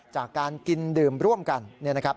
จากการกินดื่มร่วมกันเนี่ยนะครับ